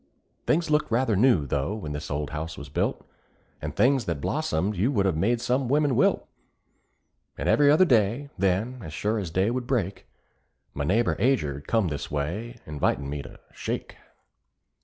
Things looked rather new, though, when this old house was built; And things that blossomed you would've made some women wilt; And every other day, then, as sure as day would break, My neighbor Ager come this way, invitin' me to "shake."